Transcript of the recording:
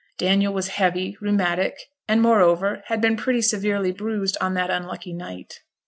Daniel was heavy, rheumatic, and, moreover, had been pretty severely bruised on that unlucky night.